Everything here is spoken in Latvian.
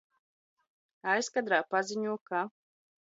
Aizkadr? pazi?o, ka